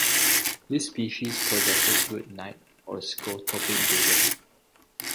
This species possesses good night or scotopic vision.